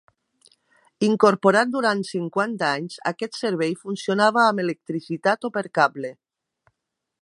Incorporat durant cinquanta anys, aquest servei funcionava amb electricitat o per cable.